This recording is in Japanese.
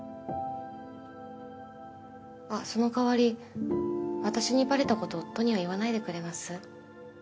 あっそのかわり私にバレたこと夫には言わないでくれます？